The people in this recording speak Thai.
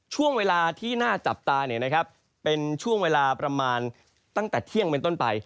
ช่วงเวลาที่น่าจับตาเป็นช่วงเวลาประมาณตั้งแต่เที่ยงเป็นต้นไป